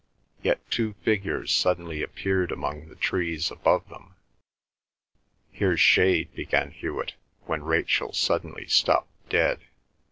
Yet two figures suddenly appeared among the trees above them. "Here's shade," began Hewet, when Rachel suddenly stopped dead.